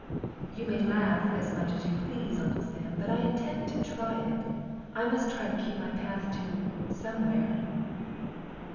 "You may laugh as much as you please, Uncle Sam, but I intend to try it. I must try to keep my path to somewhere."